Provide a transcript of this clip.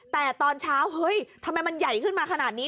แต่ตอนเช้าเฮ้ยทำไมมันใหญ่ขึ้นมาขนาดนี้